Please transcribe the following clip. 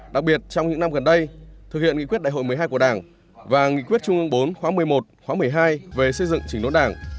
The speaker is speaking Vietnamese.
đặc biệt trong những năm gần đây thực hiện nghị quyết đại hội một mươi hai của đảng và nghị quyết trung ương bốn khóa một mươi một khóa một mươi hai về xây dựng trình đốn đảng